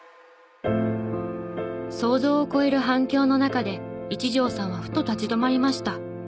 想像を超える反響の中で一条さんはふと立ち止まりました。